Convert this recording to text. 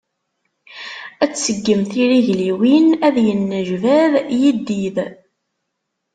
Ad tseggem tirigliwin, ad yennejbad yiddid.